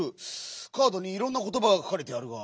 カードにいろんなことばがかかれてあるが。